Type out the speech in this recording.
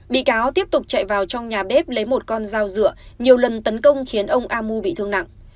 bị cáo tiếp tục chạy vào trong nhà bếp lấy một con dao rửa nhiều lần tấn công khiến ông amu bị thương nặng